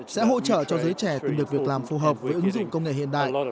sẽ hỗ trợ cho giới trẻ tìm được việc làm phù hợp với ứng dụng công nghệ hiện đại